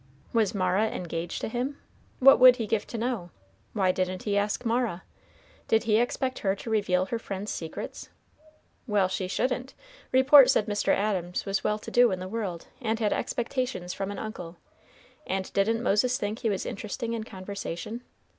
Was Mara engaged to him? What would he give to know? Why didn't he ask Mara? Did he expect her to reveal her friend's secrets? Well, she shouldn't, report said Mr. Adams was well to do in the world, and had expectations from an uncle, and didn't Moses think he was interesting in conversation?